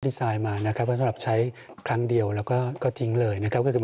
ดีไซน์มานะครับว่าสำหรับใช้ครั้งเดียวแล้วก็ก็ทิ้งเลยนะครับก็คือ